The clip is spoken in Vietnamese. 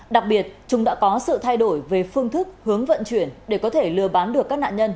đặc biệt chúng đã có sự thay đổi về phương thức hướng vận chuyển để có thể lừa bán được các nạn nhân